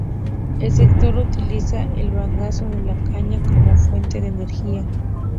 El sector utiliza el bagazo de la caña como fuente de energía.